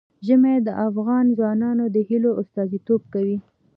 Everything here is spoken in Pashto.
ژمی د افغان ځوانانو د هیلو استازیتوب کوي.